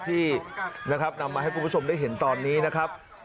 ที่นะครับนำมาให้คุณผู้ชมได้เห็นตอนนี้นะครับ